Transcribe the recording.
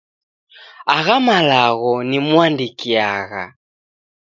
Agha malagho nimuandikiagha.